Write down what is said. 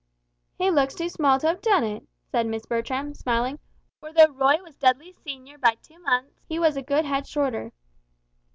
"He looks too small to have done it," said Miss Bertram, smiling; for though Roy was Dudley's senior by two months, he was a good head shorter.